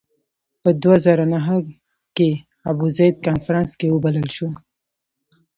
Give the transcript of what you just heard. په دوه زره نهه کې ابوزید کنفرانس کې وبلل شو.